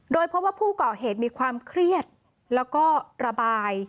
โดยพบว่าผู้ก่อเหตุมีความเครียดแล้วก็ระบาย